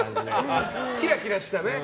キラキラしたね。